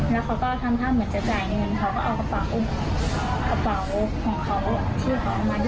แล้วเขาก็ทำท่าเหมือนจะจ่ายเงินเขาก็เอากระเป๋ากระเป๋าของเขาที่เขาเอามา